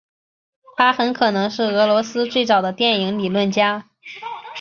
他很可能是俄罗斯最早的电影理论家。